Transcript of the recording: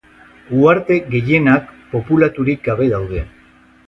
Uharte gehienak populaturik gabe daude.